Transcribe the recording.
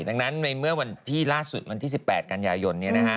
ดังนั้นในเมื่อวันที่ล่าสุดวันที่๑๘กันยายน